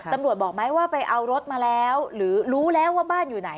บอกไหมว่าไปเอารถมาแล้วหรือรู้แล้วว่าบ้านอยู่ไหน